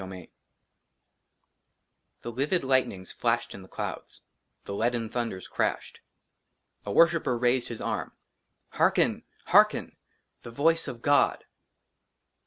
i XXXIX THE LIVID LIGHTNINGS FLASHED IN THE CLOUDS ; THE LEADEN THUNDERS CRASHED. A WORSHIPPER RAISED HIS ARM. HEARKEN ! HEARKEN ! THE VOICE OF GOD